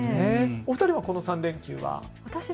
お二人はこの３連休は？